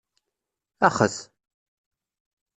Axet!